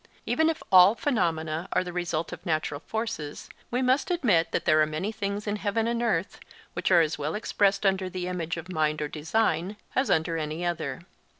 Even if all phenomena are the result of natural forces, we must admit that there are many things in heaven and earth which are as well expressed under the image of mind or design as under any other.